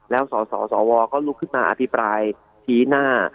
แล้วสสวก็ลุกขึ้นมาอภิปรายชี้หน้า